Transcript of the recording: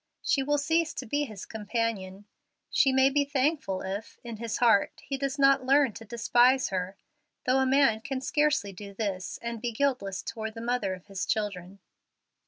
She will cease to be his companion. She may be thankful if, in his heart, he does not learn to despise her, though a man can scarcely do this and be guiltless toward the mother of his children.